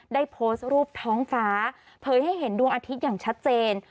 ได้โพสต์รูปท้องฟ้าเผยให้เห็นดวงอาทิตย์อย่างชัดเจน